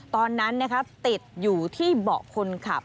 ตอนนั้นติดอยู่ที่เบาะคนขับ